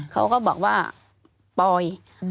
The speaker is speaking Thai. เขาก็บอกว่าปอย